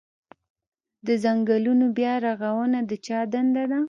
د ځنګلونو بیا رغونه د چا دنده ده؟